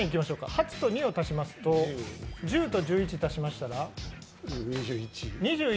８と２を足しまして、１０と１１足しましたら２１。